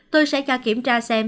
tôi sẽ cho kiểm tra xem